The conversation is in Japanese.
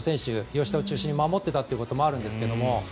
吉田を中心に守っていたということもあるんですけども